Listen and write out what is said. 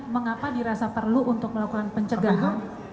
mengapa dirasa perlu untuk melakukan pencegahan